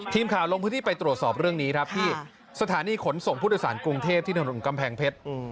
ทีมข่าวลงพื้นที่ไปตรวจสอบเรื่องนี้ครับที่สถานีขนส่งผู้โดยสารกรุงเทพที่ถนนกำแพงเพชร